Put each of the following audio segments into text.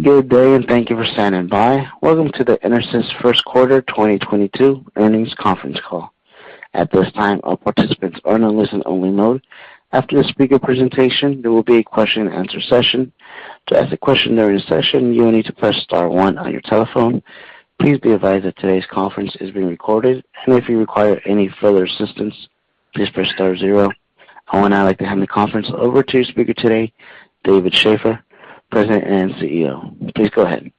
Good day, thank you for standing by. Welcome to the EnerSys First Quarter 2022 Earnings Conference Call. At this time, all participants are in a listen-only mode. After the speaker presentation, there will be a question and answer session. To ask a question during the session, you will need to press star one on your telephone. Please be advised that today's conference is being recorded. If you require any further assistance, please press star zero. I would now like to hand the conference over to your speaker today, David Shaffer, President and CEO. Please go ahead.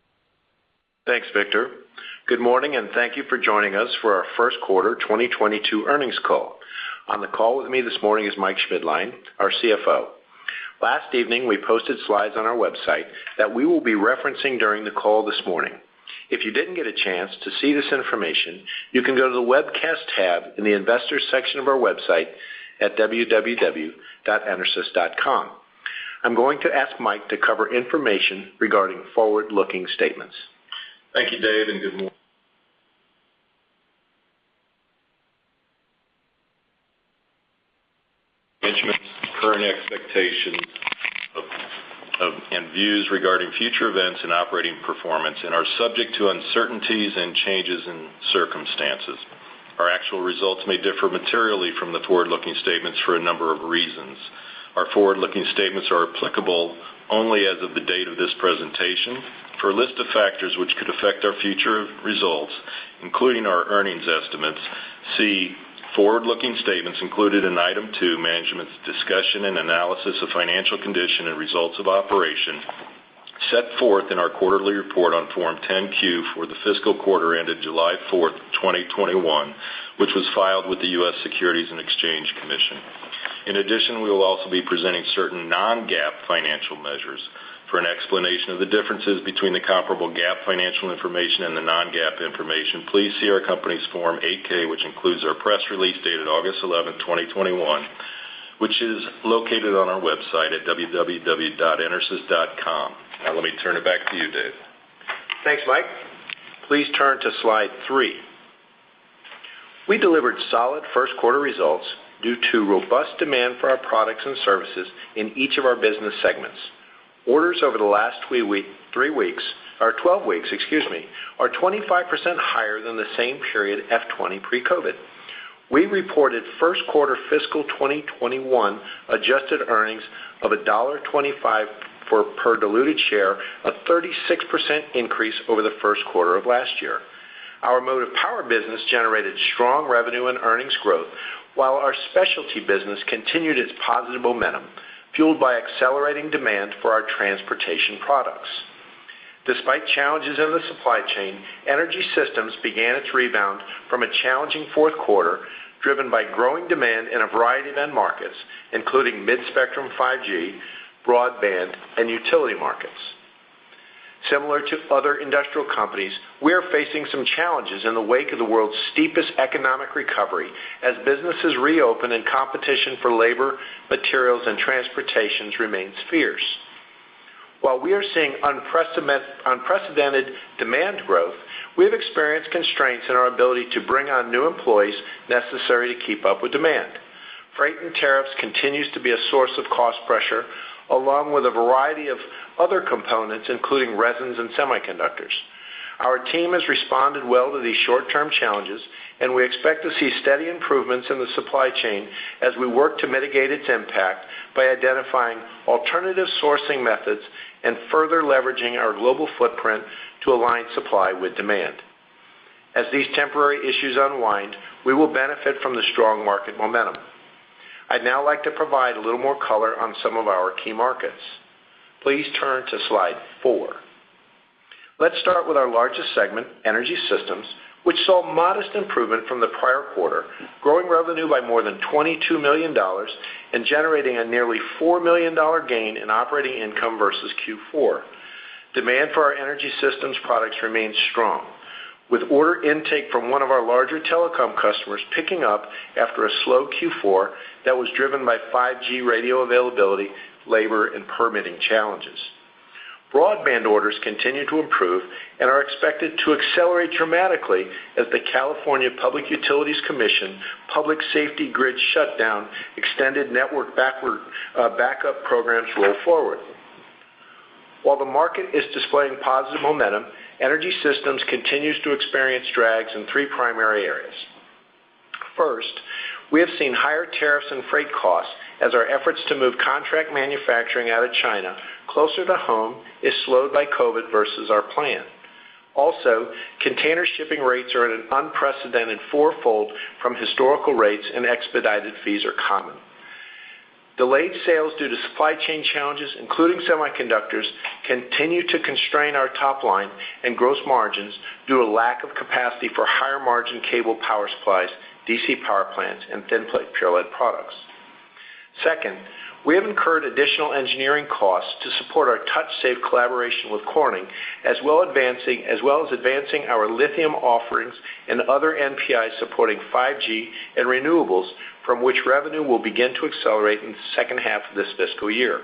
Thanks, Victor. Good morning. Thank you for joining us for our first quarter 2022 earnings call. On the call with me this morning is Mike Schmidtlein, our CFO. Last evening, we posted slides on our website that we will be referencing during the call this morning. If you didn't get a chance to see this information, you can go to the Webcast tab in the Investors section of our website at www.enersys.com. I'm going to ask Mike to cover information regarding forward-looking statements. Thank you, Dave, and good morning. Management's current expectations of, and views regarding future events and operating performance and are subject to uncertainties and changes in circumstances. Our actual results may differ materially from the forward-looking statements for a number of reasons. Our forward-looking statements are applicable only as of the date of this presentation. For a list of factors which could affect our future results, including our earnings estimates, see forward-looking statements included in Item 2, Management's Discussion and Analysis of Financial Condition and Results of Operation, set forth in our quarterly report on Form 10-Q for the fiscal quarter ended July 4th, 2021, which was filed with the U.S. Securities and Exchange Commission. In addition, we will also be presenting certain non-GAAP financial measures. For an explanation of the differences between the comparable GAAP financial information and the non-GAAP information, please see our company's Form 8-K, which includes our press release dated August 11, 2021, which is located on our website at www.enersys.com. Let me turn it back to you, Dave. Thanks, Mike. Please turn to slide 3. We delivered solid first-quarter results due to robust demand for our products and services in each of our business segments. Orders over the last three weeks, or 12 weeks, excuse me, are 25% higher than the same period FY 2020 pre-COVID. We reported first quarter fiscal 2021 adjusted earnings of $1.25 per diluted share, a 36% increase over the first quarter of last year. Our motive power business generated strong revenue and earnings growth, while our specialty business continued its positive momentum, fueled by accelerating demand for our transportation products. Despite challenges in the supply chain, Energy Systems began its rebound from a challenging fourth quarter, driven by growing demand in a variety of end markets, including mid-band 5G, broadband, and utility markets. Similar to other industrial companies, we are facing some challenges in the wake of the world's steepest economic recovery as businesses reopen and competition for labor, materials, and transportation remains fierce. While we are seeing unprecedented demand growth, we have experienced constraints in our ability to bring on new employees necessary to keep up with demand. Freight and tariffs continue to be a source of cost pressure, along with a variety of other components, including resins and semiconductors. Our team has responded well to these short-term challenges, and we expect to see steady improvements in the supply chain as we work to mitigate its impact by identifying alternative sourcing methods and further leveraging our global footprint to align supply with demand. As these temporary issues unwind, we will benefit from the strong market momentum. I'd now like to provide a little more color on some of our key markets. Please turn to slide 4. Let's start with our largest segment, Energy Systems, which saw modest improvement from the prior quarter, growing revenue by more than $22 million and generating a nearly $4 million gain in operating income versus Q4. Demand for our Energy Systems products remains strong, with order intake from one of our larger telecom customers picking up after a slow Q4 that was driven by 5G radio availability, labor, and permitting challenges. Broadband orders continue to improve and are expected to accelerate dramatically as the California Public Utilities Commission Public Safety Power Shutoff Extended Network Backup programs roll forward. While the market is displaying positive momentum, Energy Systems continues to experience drags in three primary areas. First, we have seen higher tariffs and freight costs as our efforts to move contract manufacturing out of China closer to home is slowed by COVID versus our plan. Container shipping rates are at an unprecedented four-fold from historical rates, and expedited fees are common. Delayed sales due to supply chain challenges, including semiconductors, continue to constrain our top line and gross margins due to lack of capacity for higher margin cable power supplies, DC power plants, and thin plate pure lead products. Second, we have incurred additional engineering costs to support our TouchSafe collaboration with Corning, as well as advancing our lithium offerings and other NPIs supporting 5G and renewables, from which revenue will begin to accelerate in the second half of this fiscal year.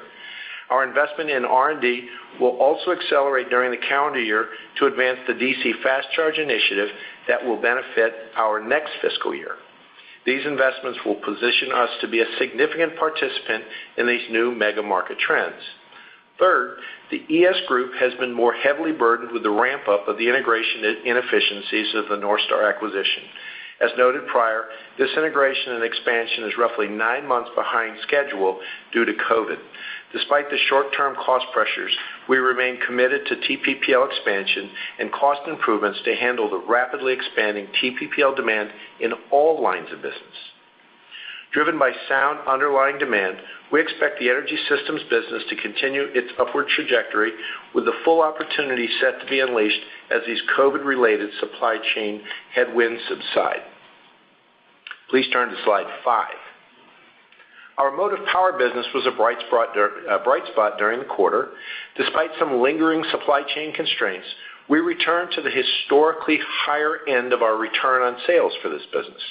Our investment in R&D will also accelerate during the calendar year to advance the DC fast charge initiative that will benefit our next fiscal year. These investments will position us to be a significant participant in these new mega market trends. Third, the ES group has been more heavily burdened with the ramp-up of the integration inefficiencies of the NorthStar acquisition. As noted prior, this integration and expansion is roughly nine months behind schedule due to COVID. Despite the short-term cost pressures, we remain committed to TPPL expansion and cost improvements to handle the rapidly expanding TPPL demand in all lines of business. Driven by sound underlying demand, we expect the Energy Systems business to continue its upward trajectory with the full opportunity set to be unleashed as these COVID-related supply chain headwinds subside. Please turn to slide 5. Our motive power business was a bright spot during the quarter. Despite some lingering supply chain constraints, we returned to the historically higher end of our return on sales for this business.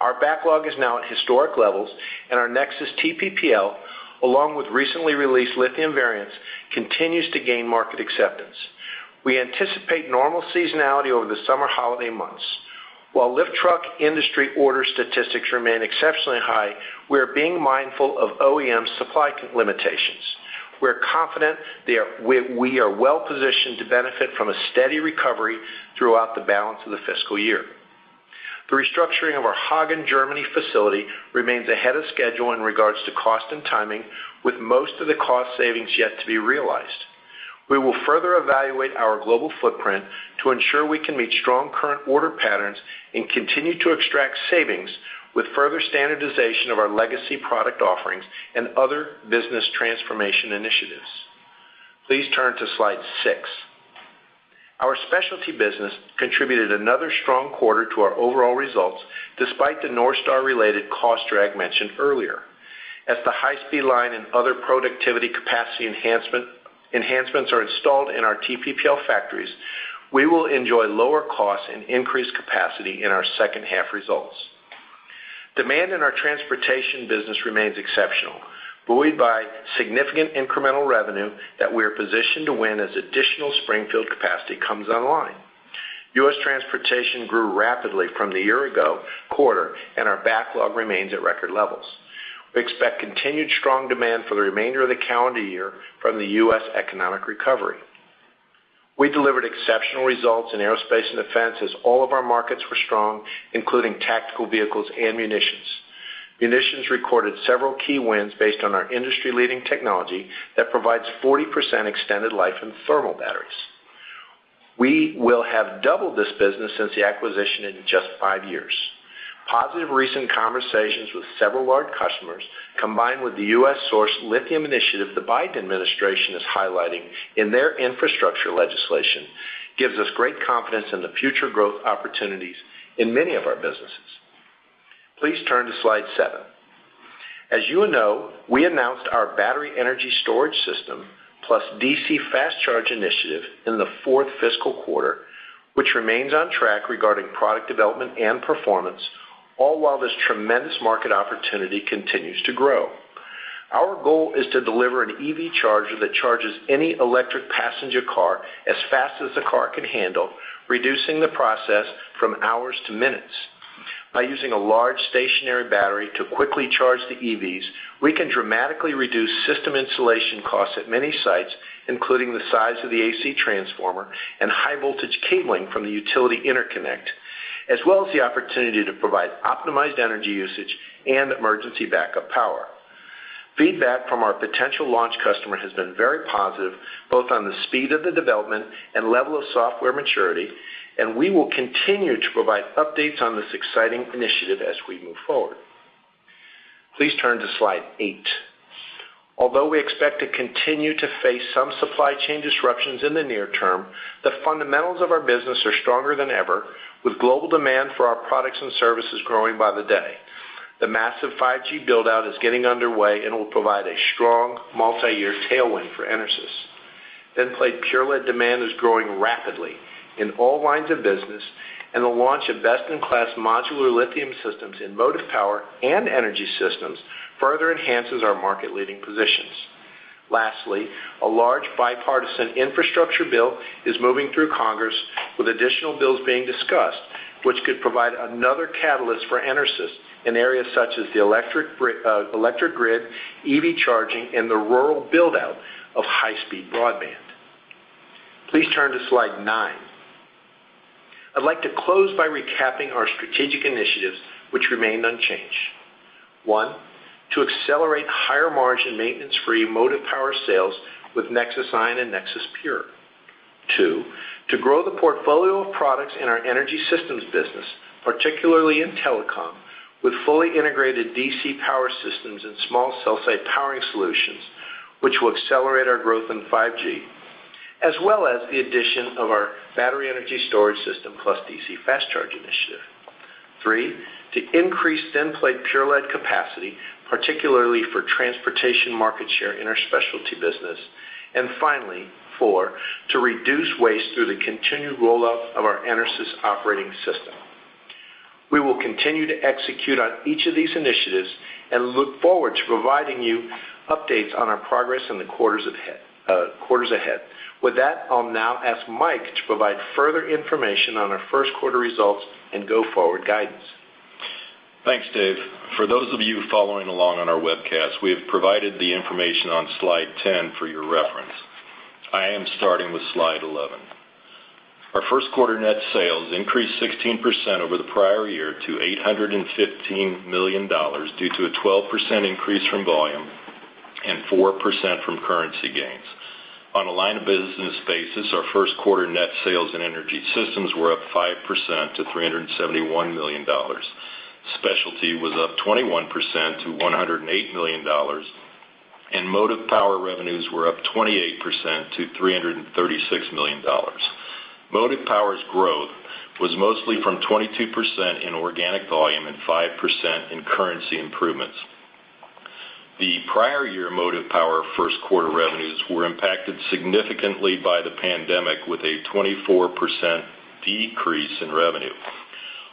Our backlog is now at historic levels, and our NexSys TPPL, along with recently released lithium variants, continues to gain market acceptance. We anticipate normal seasonality over the summer holiday months. While lift truck industry order statistics remain exceptionally high, we are being mindful of OEM supply limitations. We're confident we are well-positioned to benefit from a steady recovery throughout the balance of the fiscal year. The restructuring of our Hagen, Germany, facility remains ahead of schedule in regards to cost and timing, with most of the cost savings yet to be realized. We will further evaluate our global footprint to ensure we can meet strong current order patterns and continue to extract savings with further standardization of our legacy product offerings and other business transformation initiatives. Please turn to slide 6. Our specialty business contributed another strong quarter to our overall results, despite the NorthStar-related cost drag mentioned earlier. As the high-speed line and other productivity capacity enhancements are installed in our TPPL factories, we will enjoy lower costs and increased capacity in our second half results. Demand in our transportation business remains exceptional, buoyed by significant incremental revenue that we are positioned to win as additional Springfield capacity comes online. U.S. transportation grew rapidly from the year ago quarter, and our backlog remains at record levels. We expect continued strong demand for the remainder of the calendar year from the U.S. economic recovery. We delivered exceptional results in aerospace and defense as all of our markets were strong, including tactical vehicles and munitions. Munitions recorded several key wins based on our industry-leading technology that provides 40% extended life in thermal batteries. We will have doubled this business since the acquisition in just five years. Positive recent conversations with several large customers, combined with the U.S.-sourced lithium initiative the Biden administration is highlighting in their infrastructure legislation, gives us great confidence in the future growth opportunities in many of our businesses. Please turn to slide 7. As you know, we announced our battery energy storage system plus DC fast charge initiative in the fourth fiscal quarter, which remains on track regarding product development and performance, all while this tremendous market opportunity continues to grow. Our goal is to deliver an EV charger that charges any electric passenger car as fast as the car can handle, reducing the process from hours to minutes. By using a large stationary battery to quickly charge the EVs, we can dramatically reduce system installation costs at many sites, including the size of the AC transformer and high-voltage cabling from the utility interconnect, as well as the opportunity to provide optimized energy usage and emergency backup power. Feedback from our potential launch customer has been very positive, both on the speed of the development and level of software maturity, and we will continue to provide updates on this exciting initiative as we move forward. Please turn to slide 8. Although we expect to continue to face some supply chain disruptions in the near term, the fundamentals of our business are stronger than ever, with global demand for our products and services growing by the day. The massive 5G build-out is getting underway and will provide a strong multi-year tailwind for EnerSys. Thin plate pure lead demand is growing rapidly in all lines of business, the launch of best-in-class modular lithium systems in motive power and Energy Systems further enhances our market-leading positions. Lastly, a large bipartisan infrastructure bill is moving through Congress, with additional bills being discussed, which could provide another catalyst for EnerSys in areas such as the electric grid, EV charging, and the rural build-out of high-speed broadband. Please turn to slide 9. I’d like to close by recapping our strategic initiatives, which remain unchanged. One, to accelerate higher-margin, maintenance-free motive power sales with NexSys iON and NexSys PURE. Two, to grow the portfolio of products in our Energy Systems business, particularly in telecom, with fully integrated DC power systems and small cell site powering solutions, which will accelerate our growth in 5G, as well as the addition of our battery energy storage system plus DC fast charge initiative. Three, to increase thin plate pure lead capacity, particularly for transportation market share in our specialty business. Finally, four, to reduce waste through the continued rollout of our EnerSys Operating System. We will continue to execute on each of these initiatives and look forward to providing you updates on our progress in the quarters ahead. With that, I'll now ask Mike to provide further information on our first quarter results and go-forward guidance. Thanks, Dave. For those of you following along on our webcast, we have provided the information on slide 10 for your reference. I am starting with slide 11. Our first quarter net sales increased 16% over the prior year to $815 million due to a 12% increase from volume and 4% from currency gains. On a line of business basis, our first quarter net sales in Energy Systems were up 5% to $371 million. Specialty was up 21% to $108 million, and Motive Power revenues were up 28% to $336 million. Motive Power's growth was mostly from 22% in organic volume and 5% in currency improvements. The prior year Motive Power first quarter revenues were impacted significantly by the pandemic with a 24% decrease in revenue.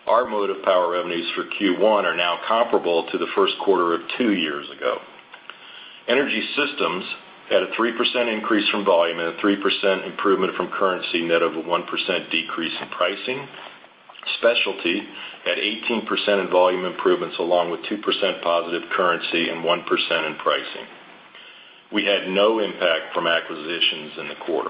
Our Motive Power revenues for Q1 are now comparable to the first quarter of two years ago. Energy Systems had a 3% increase from volume and a 3% improvement from currency, net of a 1% decrease in pricing. Specialty had 18% in volume improvements, along with 2% positive currency and 1% in pricing. We had no impact from acquisitions in the quarter.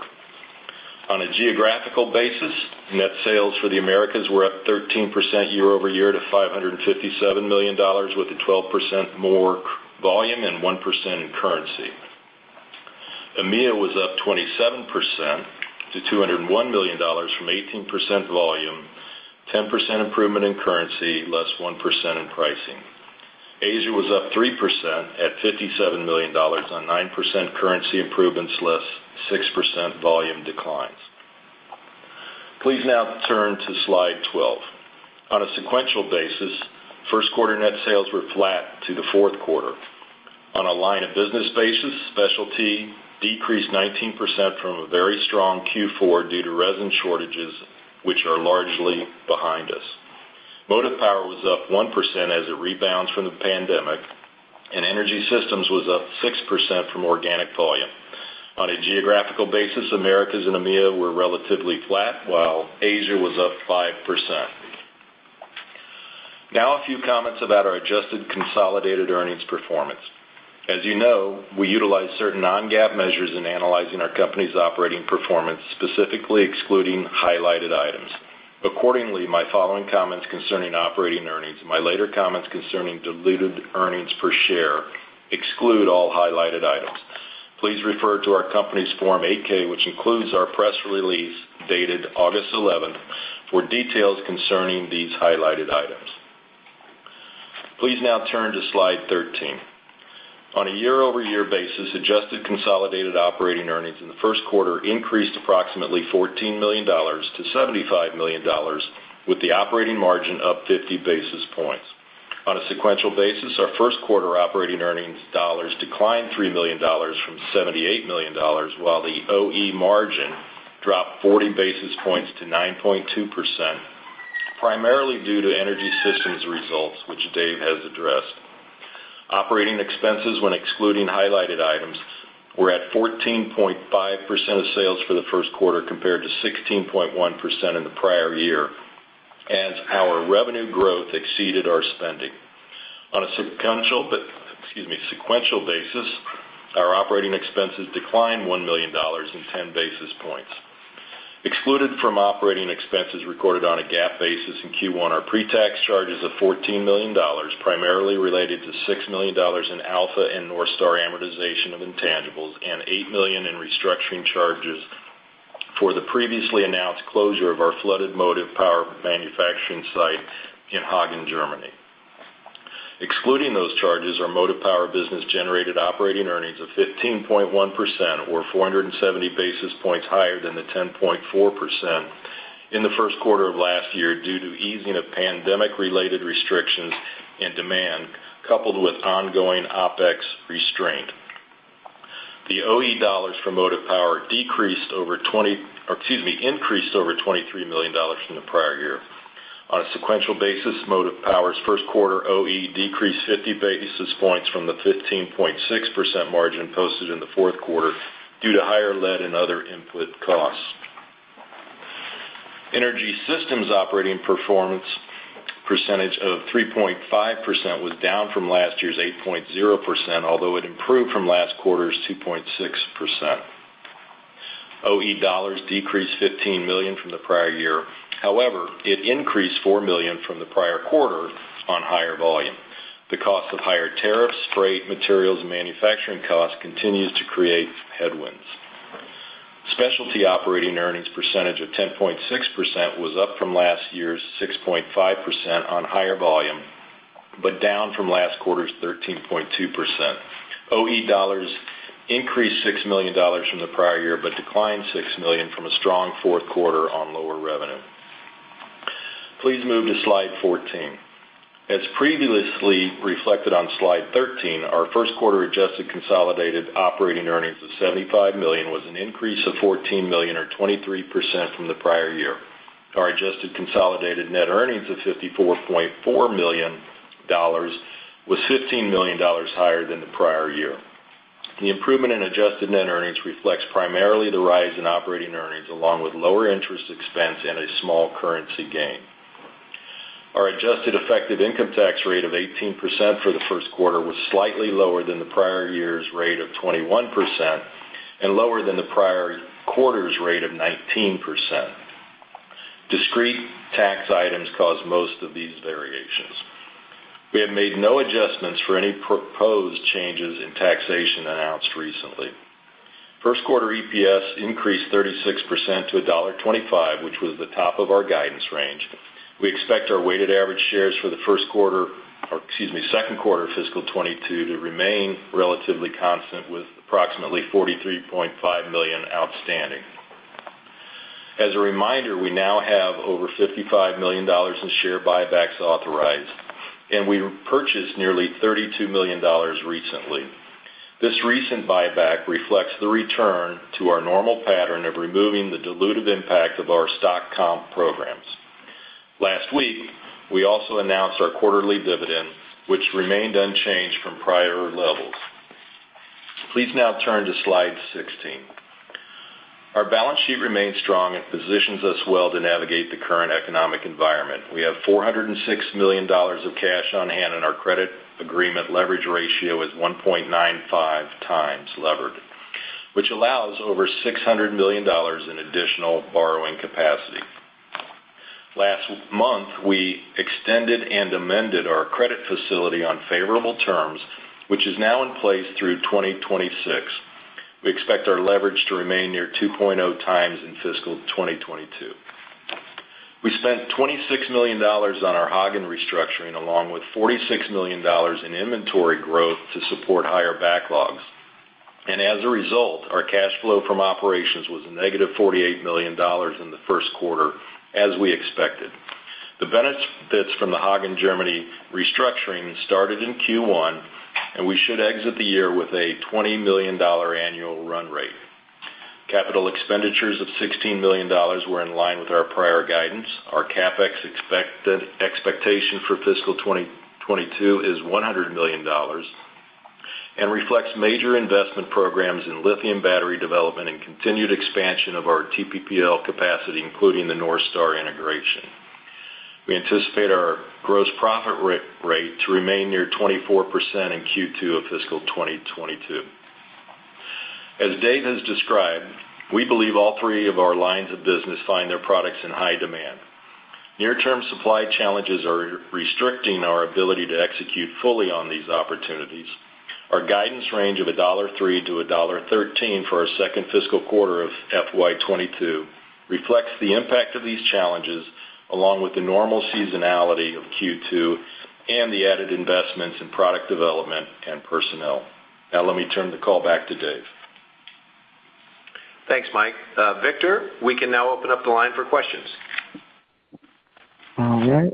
On a geographical basis, net sales for the Americas were up 13% year-over-year to $557 million, with a 12% more volume and 1% in currency. EMEA was up 27% to $201 million from 18% volume, 10% improvement in currency, less 1% in pricing. Asia was up 3% at $57 million on 9% currency improvements, less 6% volume declines. Please now turn to slide 12. On a sequential basis, first quarter net sales were flat to the fourth quarter. On a line of business basis, Specialty decreased 19% from a very strong Q4 due to resin shortages, which are largely behind us. Motive Power was up 1% as it rebounds from the pandemic, and Energy Systems was up 6% from organic volume. On a geographical basis, Americas and EMEA were relatively flat, while Asia was up 5%. A few comments about our adjusted consolidated earnings performance. As you know, we utilize certain non-GAAP measures in analyzing our company's operating performance, specifically excluding highlighted items. Accordingly, my following comments concerning operating earnings and my later comments concerning diluted earnings per share exclude all highlighted items. Please refer to our company's Form 8-K, which includes our press release dated August 11, for details concerning these highlighted items. Please now turn to slide 13. On a year-over-year basis, adjusted consolidated operating earnings in the first quarter increased approximately $14 million-$75 million, with the operating margin up 50 basis points. On a sequential basis, our first quarter operating earnings dollars declined $3 million from $78 million, while the OE margin dropped 40 basis points to 9.2%, primarily due to Energy Systems results, which Dave has addressed. Operating expenses, when excluding highlighted items, were at 14.5% of sales for the first quarter compared to 16.1% in the prior year as our revenue growth exceeded our spending. On a sequential basis, our operating expenses declined $1 million and 10 basis points. Excluded from operating expenses recorded on a GAAP basis in Q1 are pre-tax charges of $14 million, primarily related to $6 million in Alpha and NorthStar amortization of intangibles, and $8 million in restructuring charges for the previously announced closure of our flooded Motive Power manufacturing site in Hagen, Germany. Excluding those charges, our Motive Power business generated operating earnings of 15.1%, or 470 basis points higher than the 10.4% in the first quarter of last year due to easing of pandemic-related restrictions and demand, coupled with ongoing OpEx restraint. The OE dollars for Motive Power increased over $23 million from the prior year. On a sequential basis, Motive Power's first quarter OE decreased 50 basis points from the 15.6% margin posted in the fourth quarter due to higher lead and other input costs. Energy Systems operating performance percentage of 3.5% was down from last year's 8.0%, although it improved from last quarter's 2.6%. OE dollars decreased $15 million from the prior year. It increased $4 million from the prior quarter on higher volume. The cost of higher tariffs, freight, materials, and manufacturing costs continues to create headwinds. Specialty operating earnings percentage of 10.6% was up from last year's 6.5% on higher volume, but down from last quarter's 13.2%. OE dollars increased $6 million from the prior year, but declined $6 million from a strong fourth quarter on lower revenue. Please move to slide 14. As previously reflected on slide 13, our first quarter adjusted consolidated operating earnings of $75 million was an increase of $14 million or 23% from the prior year. Our adjusted consolidated net earnings of $54.4 million was $15 million higher than the prior year. The improvement in adjusted net earnings reflects primarily the rise in operating earnings, along with lower interest expense and a small currency gain. Our adjusted effective income tax rate of 18% for the first quarter was slightly lower than the prior year's rate of 21% and lower than the prior quarter's rate of 19%. Discrete tax items caused most of these variations. We have made no adjustments for any proposed changes in taxation announced recently. First quarter EPS increased 36% to $1.25, which was the top of our guidance range. We expect our weighted average shares for the first quarter, or excuse me, second quarter fiscal 2022, to remain relatively constant, with approximately $43.5 million outstanding. As a reminder, we now have over $55 million in share buybacks authorized, and we purchased nearly $32 million recently. This recent buyback reflects the return to our normal pattern of removing the dilutive impact of our stock comp programs. Last week, we also announced our quarterly dividend, which remained unchanged from prior levels. Please now turn to slide 16. Our balance sheet remains strong and positions us well to navigate the current economic environment. We have $406 million of cash on hand, and our credit agreement leverage ratio is 1.95x levered, which allows over $600 million in additional borrowing capacity. Last month, we extended and amended our credit facility on favorable terms, which is now in place through 2026. We expect our leverage to remain near 2.0x in fiscal 2022. We spent $26 million on our Hagen restructuring, along with $46 million in inventory growth to support higher backlogs. As a result, our cash flow from operations was a negative $48 million in the first quarter, as we expected. The benefits from the Hagen, Germany restructuring started in Q1, and we should exit the year with a $20 million annual run rate. Capital expenditures of $16 million were in line with our prior guidance. Our CapEx expectation for fiscal 2022 is $100 million and reflects major investment programs in lithium battery development and continued expansion of our TPPL capacity, including the NorthStar integration. We anticipate our gross profit rate to remain near 24% in Q2 of fiscal 2022. As Dave has described, we believe all three of our lines of business find their products in high demand. Near-term supply challenges are restricting our ability to execute fully on these opportunities. Our guidance range of $1.03-$1.13 for our second fiscal quarter of FY 2022 reflects the impact of these challenges, along with the normal seasonality of Q2 and the added investments in product development and personnel. Let me turn the call back to Dave. Thanks, Mike. Victor, we can now open up the line for questions.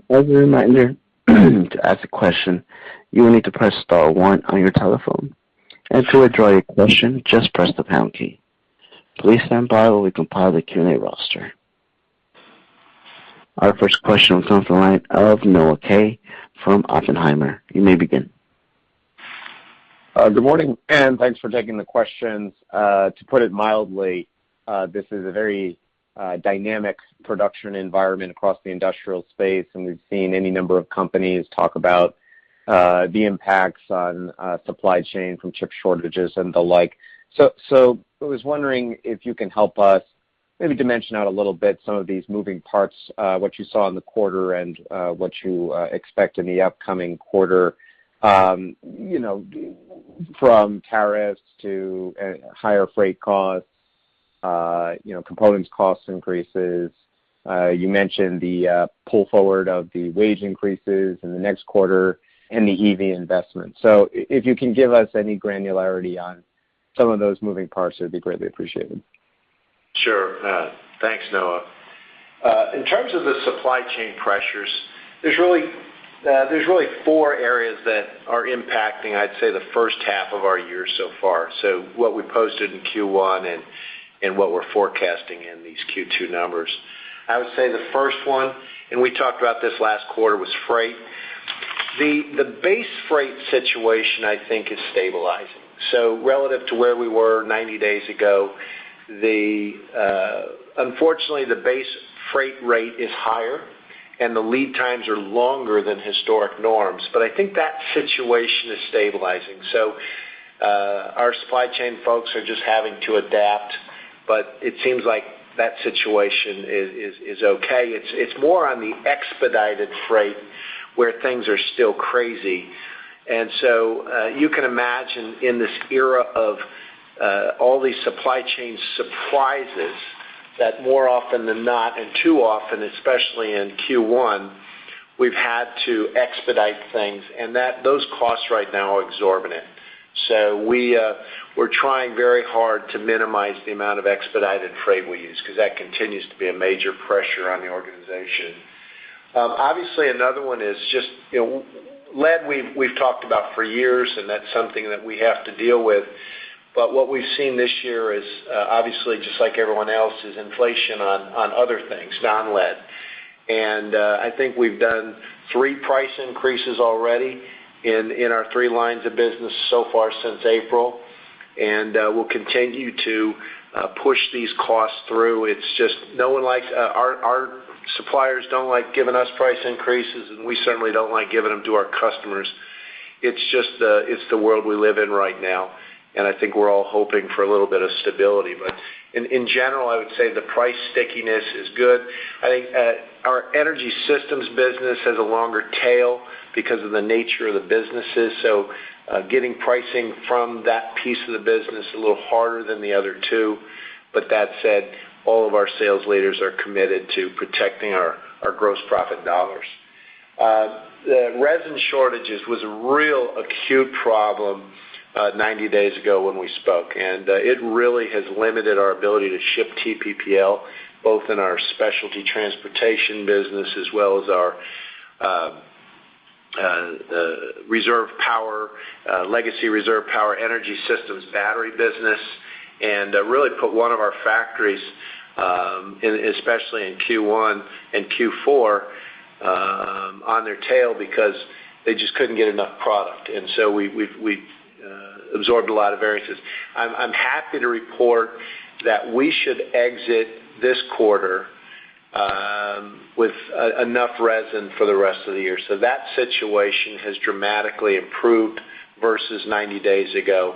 As a reminder, to ask a question you need to press star one on your telephone, and to withdraw your question just press the pound key. Please stand by as we compile the Q&A roster. Our first question comes from the line of Noah Kaye from Oppenheimer. You may begin. Good morning, thanks for taking the questions. To put it mildly, this is a very dynamic production environment across the industrial space, and we've seen any number of companies talk about the impacts on supply chain from chip shortages and the like. I was wondering if you can help us maybe dimension out a little bit some of these moving parts, what you saw in the quarter and what you expect in the upcoming quarter. From tariffs to higher freight costs, components cost increases. You mentioned the pull forward of the wage increases in the next quarter and the EV investment. If you can give us any granularity on some of those moving parts, it would be greatly appreciated. Sure. Thanks, Noah. In terms of the supply chain pressures, there's really four areas that are impacting, I'd say, the first half of our year so far. What we posted in Q1 and what we're forecasting in these Q2 numbers. I would say the first one, and we talked about this last quarter, was freight. The base freight situation, I think, is stabilizing. Relative to where we were 90 days ago, unfortunately, the base freight rate is higher, and the lead times are longer than historic norms, but I think that situation is stabilizing. Our supply chain folks are just having to adapt, but it seems like that situation is okay. It's more on the expedited freight where things are still crazy. You can imagine in this era of all these supply chain surprises, that more often than not, and too often, especially in Q1, we've had to expedite things. Those costs right now are exorbitant. We're trying very hard to minimize the amount of expedited freight we use, because that continues to be a major pressure on the organization. Obviously, another one is just lead we've talked about for years, and that's something that we have to deal with. What we've seen this year is obviously just like everyone else, is inflation on other things, non-lead. I think we've done three price increases already in our three lines of business so far since April, and we'll continue to push these costs through. Our suppliers don't like giving us price increases, and we certainly don't like giving them to our customers. It's the world we live in right now, and I think we're all hoping for a little bit of stability. In general, I would say the price stickiness is good. I think our Energy Systems business has a longer tail because of the nature of the businesses, so getting pricing from that piece of the business a little harder than the other two. That said, all of our sales leaders are committed to protecting our gross profit dollars. The resin shortages was a real acute problem 90 days ago when we spoke, and it really has limited our ability to ship TPPL, both in our specialty transportation business as well as our legacy reserve power Energy Systems battery business. Really put one of our factories, especially in Q1 and Q4, on their tail because they just couldn't get enough product. We absorbed a lot of variances. I'm happy to report that we should exit this quarter with enough resin for the rest of the year. That situation has dramatically improved versus 90 days ago.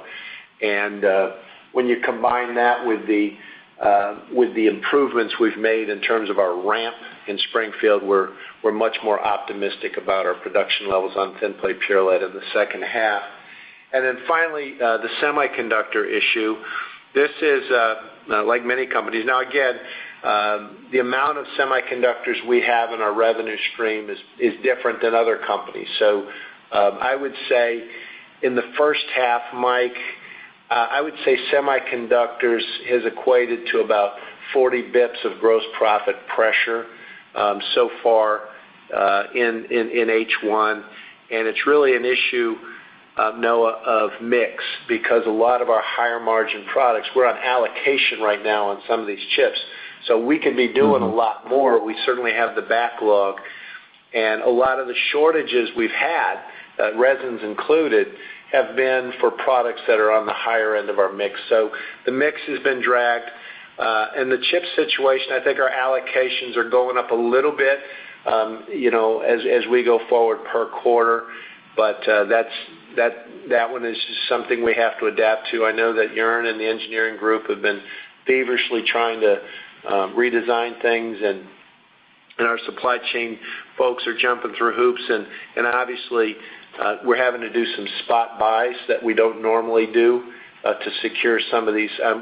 When you combine that with the improvements we've made in terms of our ramp in Springfield, we're much more optimistic about our production levels on thin plate pure lead in the second half. Finally, the semiconductor issue. This is like many companies. Again, the amount of semiconductors we have in our revenue stream is different than other companies. I would say in the first half, Mike, I would say semiconductors has equated to about 40 basis points of gross profit pressure so far in H1. It's really an issue, Noah, of mix, because a lot of our higher margin products, we're on allocation right now on some of these chips, so we could be doing a lot more. We certainly have the backlog, and a lot of the shortages we've had, resins included, have been for products that are on the higher end of our mix. The mix has been dragged. The chip situation, I think our allocations are going up a little bit as we go forward per quarter. That one is just something we have to adapt to. I know that Joen and the engineering group have been feverishly trying to redesign things. Our supply chain folks are jumping through hoops. Obviously, we're having to do some spot buys that we don't normally do to secure some of these. One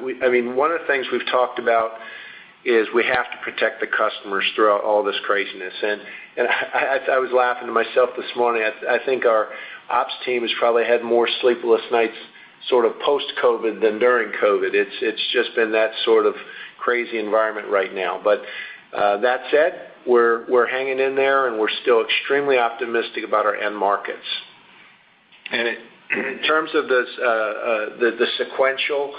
of the things we've talked about is we have to protect the customers throughout all this craziness. I was laughing to myself this morning. I think our ops team has probably had more sleepless nights sort of post-COVID than during COVID. It's just been that sort of crazy environment right now. That said, we're hanging in there. We're still extremely optimistic about our end markets. In terms of the sequential,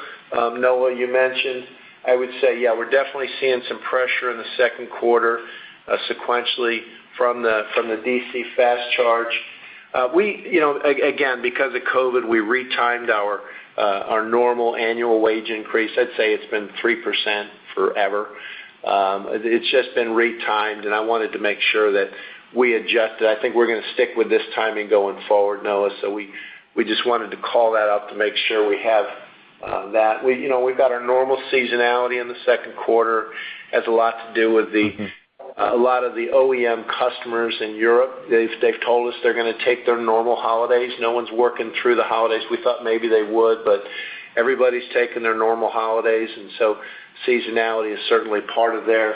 Noah, you mentioned, I would say, yeah, we're definitely seeing some pressure in the second quarter sequentially from the DC fast charge. Because of COVID, we re-timed our normal annual wage increase. I'd say it's been 3% forever. It's just been re-timed, and I wanted to make sure that we adjust it. I think we're going to stick with this timing going forward, Noah. We just wanted to call that out to make sure we have that. We've got our normal seasonality in the second quarter. It has a lot to do with a lot of the OEM customers in Europe. They've told us they're going to take their normal holidays. No one's working through the holidays. We thought maybe they would, but everybody's taking their normal holidays, and so seasonality is certainly part of there.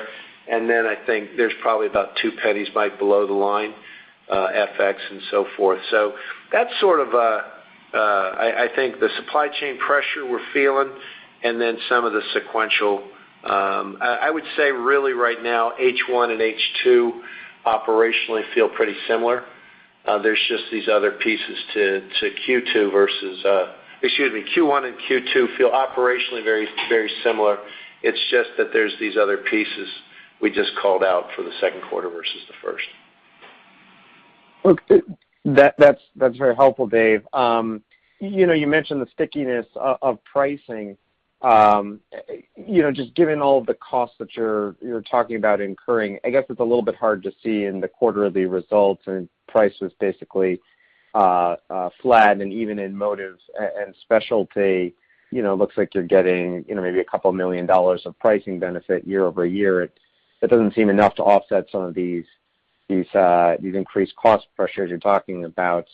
I think there's probably about $0.02, Mike, below the line, FX and so forth. That's sort of, I think, the supply chain pressure we're feeling and then some of the sequential. I would say really right now, H1 and H2 operationally feel pretty similar. Q1 and Q2 feel operationally very similar. It's just that there's these other pieces we just called out for the second quarter versus the first. That's very helpful, Dave. You mentioned the stickiness of pricing. Given all the costs that you're talking about incurring, I guess it's a little bit hard to see in the quarterly results and prices basically flat and even in Motive and Specialty. Looks like you're getting maybe a $2 million of pricing benefit year-over-year. That doesn't seem enough to offset some of these increased cost pressures you're talking about.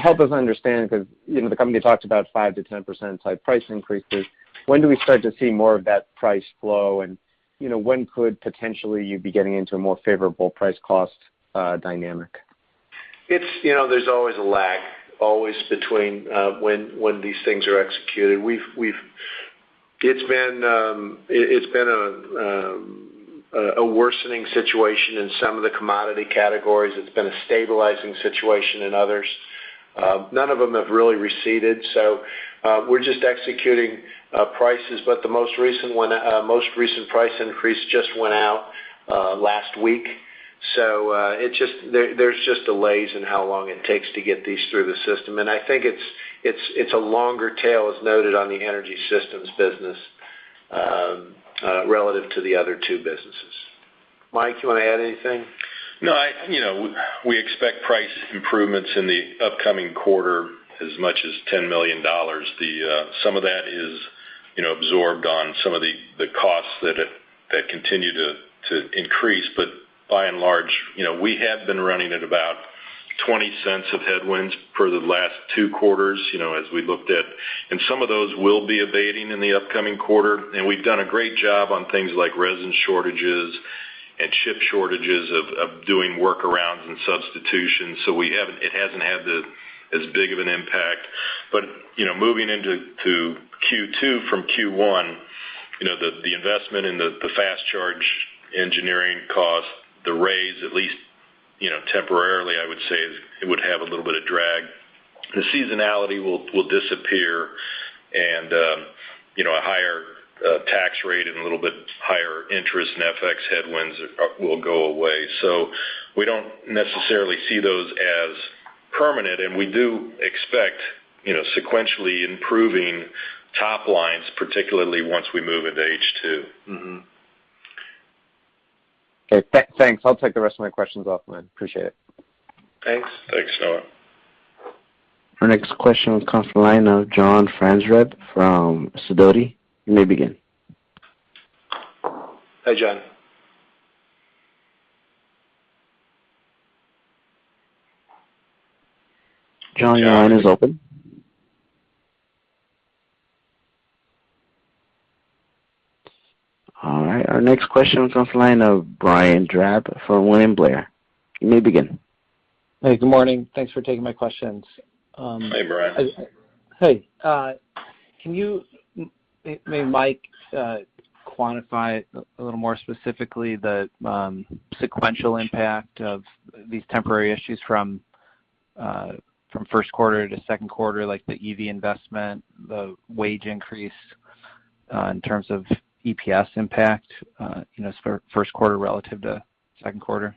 Help us understand, because the company talks about 5%-10% type price increases. When do we start to see more of that price flow, and when could potentially you be getting into a more favorable price cost dynamic? There's always a lag, always between when these things are executed. It's been a worsening situation in some of the commodity categories. It's been a stabilizing situation in others. None of them have really receded. We're just executing prices. The most recent price increase just went out last week. There's just delays in how long it takes to get these through the system. I think it's a longer tail, as noted on the Energy Systems business, relative to the other two businesses. Mike, you want to add anything? No. We expect price improvements in the upcoming quarter as much as $10 million. Some of that is absorbed on some of the costs that continue to increase. By and large, we have been running at about $0.20 of headwinds for the last two quarters, as we looked at, and some of those will be abating in the upcoming quarter. We've done a great job on things like resin shortages and chip shortages of doing workarounds and substitutions. It hasn't had as big of an impact. Moving into Q2 from Q1, the investment in the fast charge engineering cost, the raise, at least temporarily, I would say it would have a little bit of drag. The seasonality will disappear and a higher tax rate and a little bit higher interest in FX headwinds will go away. We don't necessarily see those as permanent, and we do expect sequentially improving top lines, particularly once we move into H2. Okay, thanks. I'll take the rest of my questions off then. Appreciate it. Thanks. Thanks, Noah. Our next question comes from the line of John Franzreb from Sidoti. You may begin. Hi, John. John, your line is open. All right, our next question comes from the line of Brian Drab from William Blair. You may begin. Hey, good morning. Thanks for taking my questions. Hey, Brian. Hey. Can you, maybe Mike, quantify a little more specifically the sequential impact of these temporary issues from first quarter to second quarter, like the EV investment, the wage increase, in terms of EPS impact first quarter relative to second quarter?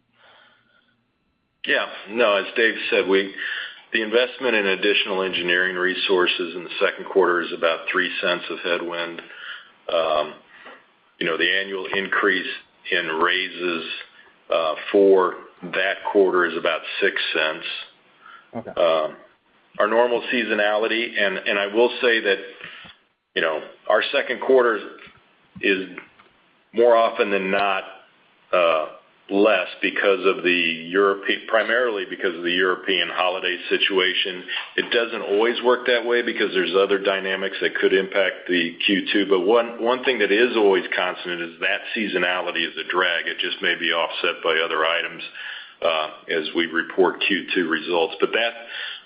Yeah. No, as Dave said, the investment in additional engineering resources in the second quarter is about $0.03 of headwind. The annual increase in raises for that quarter is about $0.06. Okay. Our normal seasonality, and I will say that our second quarter is more often than not less primarily because of the European holiday situation. It doesn't always work that way because there's other dynamics that could impact the Q2. One thing that is always constant is that seasonality is a drag. It just may be offset by other items as we report Q2 results. That,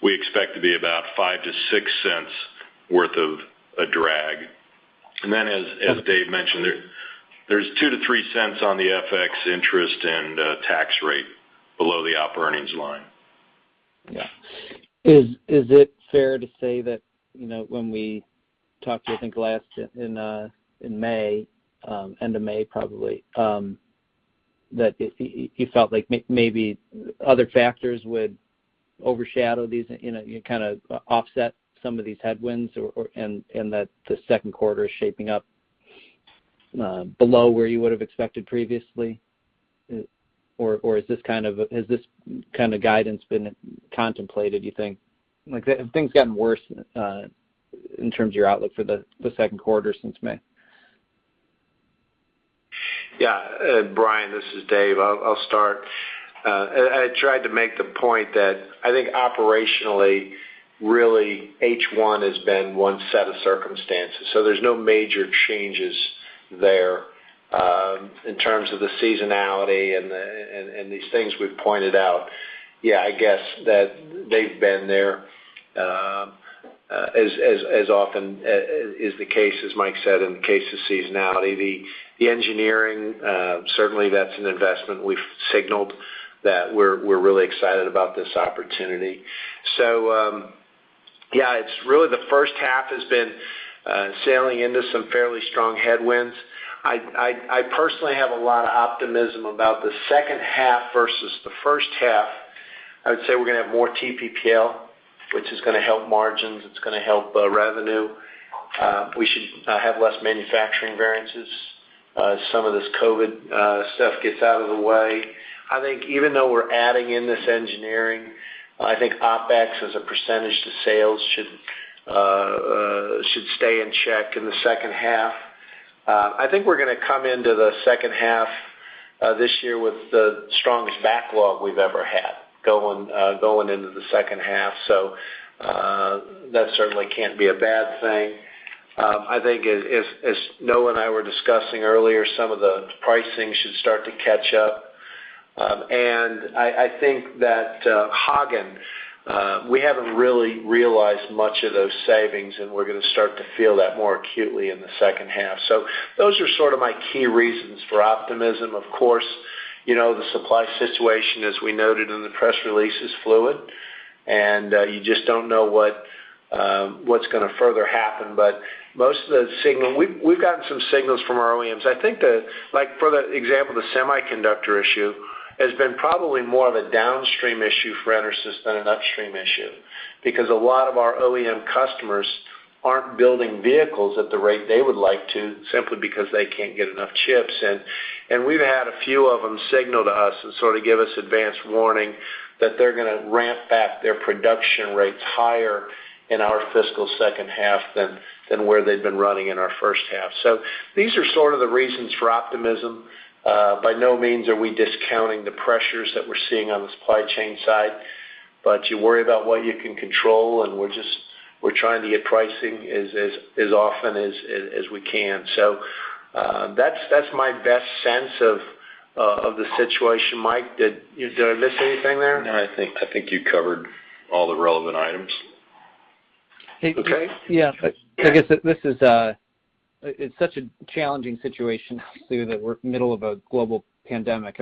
we expect to be about $0.05-$0.06 worth of a drag. Then, as Dave mentioned, there's $0.02-$0.03 on the FX interest and tax rate below the op earnings line. Yeah. Is it fair to say that when we talked, I think last in May, end of May probably, that you felt like maybe other factors would overshadow these, kind of offset some of these headwinds and that the second quarter is shaping up below where you would have expected previously? Has this kind of guidance been contemplated, you think? Have things gotten worse in terms of your outlook for the second quarter since May? Brian, this is Dave. I'll start. I tried to make the point that I think operationally, really H1 has been one set of circumstances. There's no major changes there. In terms of the seasonality and these things we've pointed out, I guess that they've been there as often is the case, as Mike said, in the case of seasonality. The engineering, certainly that's an investment. We've signaled that we're really excited about this opportunity. It's really the first half has been sailing into some fairly strong headwinds. I personally have a lot of optimism about the second half versus the first half. I would say we're going to have more TPPL, which is going to help margins. It's going to help revenue. We should have less manufacturing variances as some of this COVID stuff gets out of the way. I think even though we're adding in this engineering, I think OpEx as a percentage to sales should stay in check in the second half. I think we're going to come into the second half this year with the strongest backlog we've ever had going into the second half, so that certainly can't be a bad thing. I think as Noah and I were discussing earlier, some of the pricing should start to catch up. I think that Hagen, we haven't really realized much of those savings, and we're going to start to feel that more acutely in the second half. Those are sort of my key reasons for optimism. Of course. The supply situation, as we noted in the press release, is fluid, and you just don't know what's going to further happen. We've gotten some signals from our OEMs. I think that, for the example, the semiconductor issue has been probably more of a downstream issue for EnerSys than an upstream issue, because a lot of our OEM customers aren't building vehicles at the rate they would like to simply because they can't get enough chips. We've had a few of them signal to us and sort of give us advance warning that they're going to ramp back their production rates higher in our fiscal second half than where they've been running in our first half. These are sort of the reasons for optimism. By no means are we discounting the pressures that we're seeing on the supply chain side, you worry about what you can control, we're trying to get pricing as often as we can. That's my best sense of the situation. Mike, did I miss anything there? No, I think you covered all the relevant items. Okay. Yeah. Yeah. I guess it's such a challenging situation obviously, that we're middle of a global pandemic.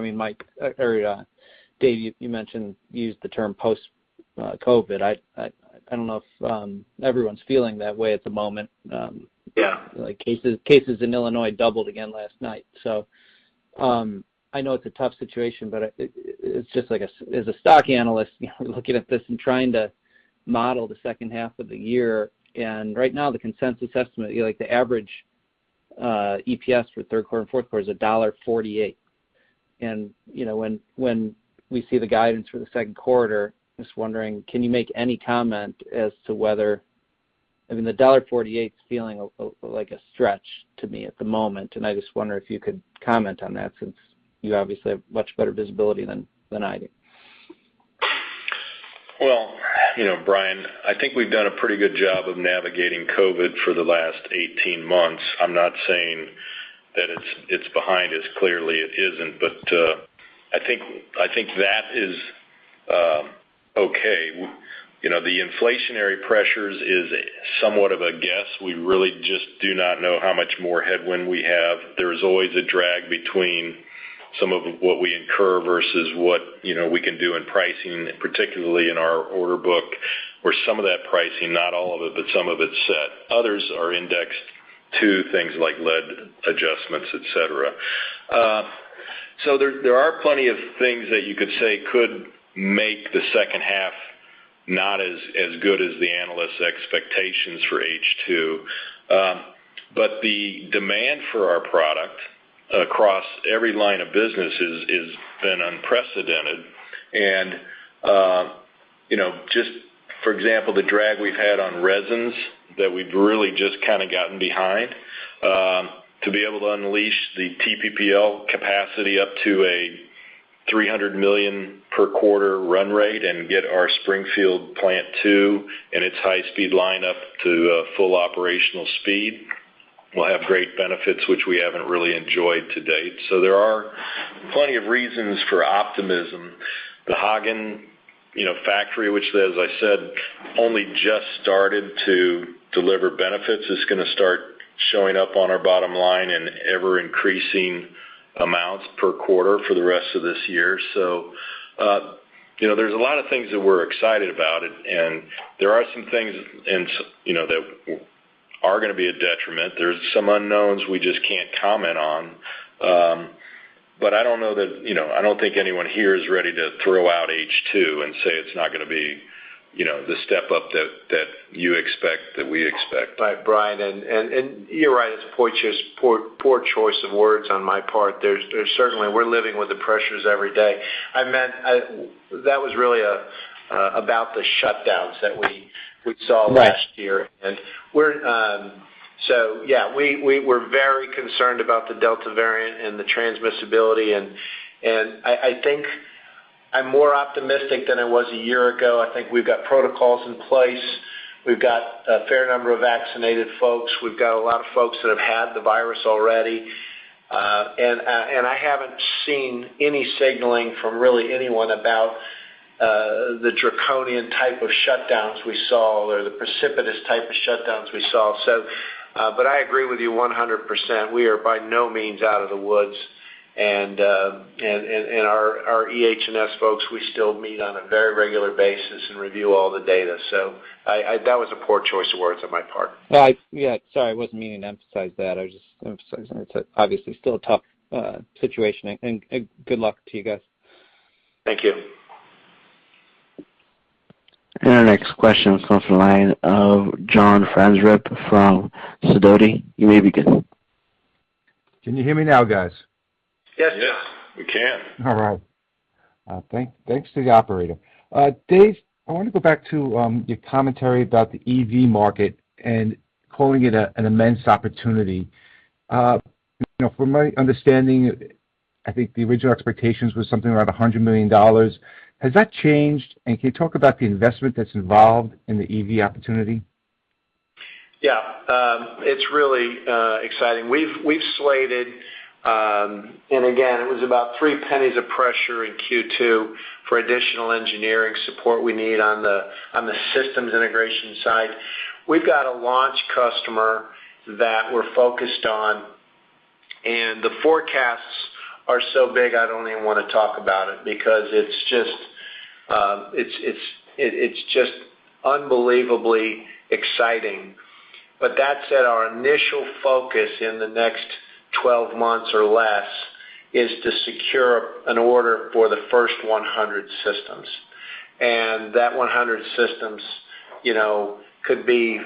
Dave, you mentioned, used the term post-COVID. I don't know if everyone's feeling that way at the moment. Yeah. Cases in Illinois doubled again last night. I know it's a tough situation, but as a stock analyst, looking at this and trying to model the second half of the year, right now, the consensus estimate, the average EPS for third quarter and fourth quarter is $1.48. When we see the guidance for the second quarter, just wondering, can you make any comment as to whether the $1.48 is feeling like a stretch to me at the moment. I just wonder if you could comment on that since you obviously have much better visibility than I do. Well, Brian, I think we've done a pretty good job of navigating COVID for the last 18 months. I'm not saying that it's behind us. Clearly it isn't. I think that is okay. The inflationary pressures is somewhat of a guess. We really just do not know how much more headwind we have. There's always a drag between some of what we incur versus what we can do in pricing, particularly in our order book, where some of that pricing, not all of it, but some of it's set. Others are indexed to things like lead adjustments, et cetera. There are plenty of things that you could say could make the second half not as good as the analysts' expectations for H2. The demand for our product across every line of business has been unprecedented. Just for example, the drag we've had on resins that we've really just kind of gotten behind, to be able to unleash the TPPL capacity up to a $300 million per quarter run rate and get our Springfield plant too, and its high speed line up to full operational speed, will have great benefits, which we haven't really enjoyed to date. There are plenty of reasons for optimism. The Hagen factory, which as I said, only just started to deliver benefits, is going to start showing up on our bottom line in ever increasing amounts per quarter for the rest of this year. There's a lot of things that we're excited about, and there are some things that are going to be a detriment. There's some unknowns we just can't comment on. I don't think anyone here is ready to throw out H2 and say it's not going to be the step-up that you expect, that we expect. Right, Brian. You're right, it's poor choice of words on my part. Certainly, we're living with the pressures every day. That was really about the shutdowns that we saw- Yeah. ...last year. Yeah, we're very concerned about the Delta variant and the transmissibility, and I think I'm more optimistic than I was a year ago. I think we've got protocols in place. We've got a fair number of vaccinated folks. We've got a lot of folks that have had the virus already. I haven't seen any signaling from really anyone about the draconian type of shutdowns we saw or the precipitous type of shutdowns we saw. I agree with you 100%. We are by no means out of the woods. Our EH&S folks, we still meet on a very regular basis and review all the data. That was a poor choice of words on my part. Yeah. Sorry, I wasn't meaning to emphasize that. I was just emphasizing that it's obviously still a tough situation, and good luck to you guys. Thank you. Our next question comes from the line of John Franzreb from Sidoti. You may begin. Can you hear me now, guys? Yes. Yes. We can. All right. Thanks to the operator. Dave, I want to go back to your commentary about the EV market and calling it an immense opportunity. From my understanding, I think the original expectations was something around $100 million. Has that changed? Can you talk about the investment that's involved in the EV opportunity? Yeah. It's really exciting. We've slated, it was about $0.03 of pressure in Q2 for additional engineering support we need on the systems integration side. We've got a launch customer that we're focused on, the forecasts are so big, I don't even want to talk about it because it's just unbelievably exciting. That said, our initial focus in the next 12 months or less is to secure an order for the first 100 systems. That 100 systems could be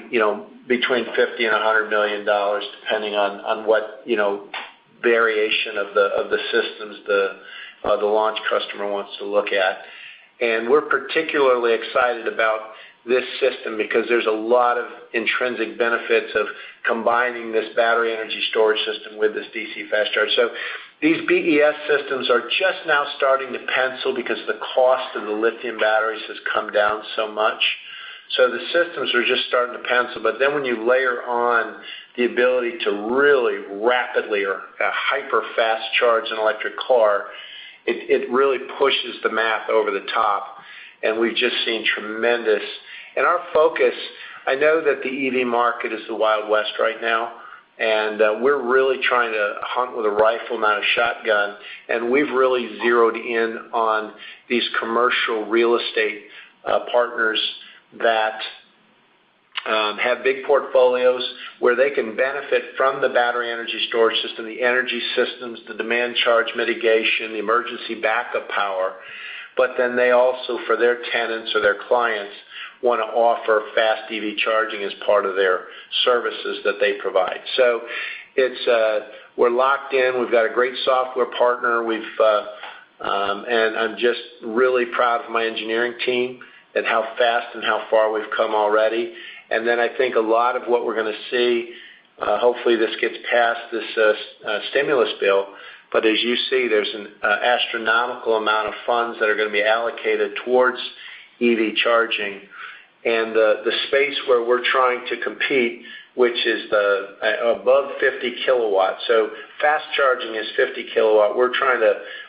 between $50 million-$100 million, depending on what variation of the systems the launch customer wants to look at. We're particularly excited about this system because there's a lot of intrinsic benefits of combining this battery energy storage system with this DC fast charge. These BESS systems are just now starting to pencil because the cost of the lithium batteries has come down so much. The systems are just starting to pencil. When you layer on the ability to really rapidly or hyper fast-charge an electric car, it really pushes the math over the top. We've just seen tremendous. Our focus, I know that the EV market is the Wild West right now, we're really trying to hunt with a rifle, not a shotgun, we've really zeroed in on these commercial real estate partners that have big portfolios where they can benefit from the battery energy storage system, the Energy Systems, the demand charge mitigation, the emergency backup power. They also, for their tenants or their clients, want to offer fast EV charging as part of their services that they provide. We're locked in. We've got a great software partner. I'm just really proud of my engineering team and how fast and how far we've come already. I think a lot of what we're going to see, hopefully this gets passed, this stimulus bill, but as you see, there's an astronomical amount of funds that are going to be allocated towards EV charging. The space where we're trying to compete, which is the above 50 kW. Fast charging is 50 kilowatt.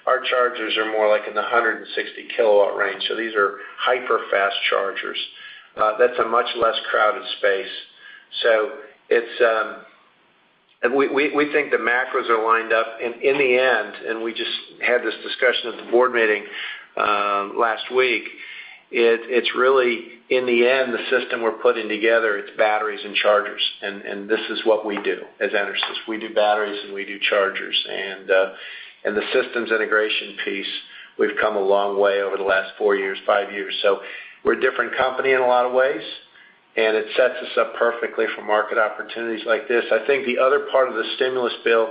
Our chargers are more like in the 160 kW range. These are hyper fast chargers. That's a much less crowded space. We think the macros are lined up, in the end, we just had this discussion at the board meeting last week, it's really, in the end, the system we're putting together, it's batteries and chargers, and this is what we do as EnerSys. We do batteries, and we do chargers. The systems integration piece, we've come a long way over the last four years, five years. We're a different company in a lot of ways, and it sets us up perfectly for market opportunities like this. I think the other part of the stimulus bill,